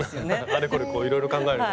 あれこれいろいろ考えるのが。